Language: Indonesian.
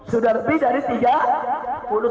sudah lebih dari tiga puluh orang